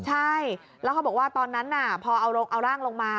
ใช่แล้วเขาบอกว่าตอนนั้นพอเอาร่างลงมา